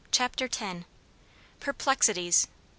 CHAPTER X. PERPLEXITIES.